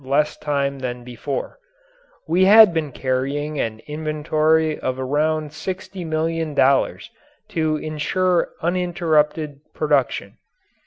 less time than before. We had been carrying an inventory of around $60,000,000 to insure uninterrupted production.